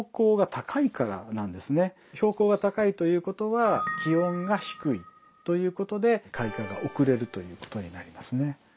標高が高いということは気温が低いということで開花が遅れるということになりますね。